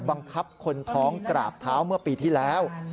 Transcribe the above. บังคับคนท้องกราบเท้าเมื่อปีที่แล้ว